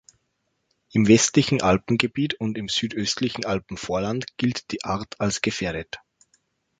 Im westlichen Alpengebiet und im südöstlichen Alpenvorland gilt die Art als gefährdet.